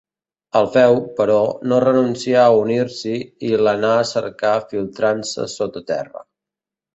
Alfeu, però, no renuncià a unir-s'hi i l'anà a cercar filtrant-se sota terra.